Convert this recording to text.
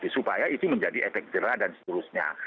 supaya itu menjadi efek jerah dan seterusnya